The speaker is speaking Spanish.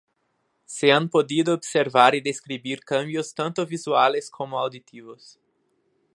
Se han podido observar y describir cambios tanto visuales como auditivos.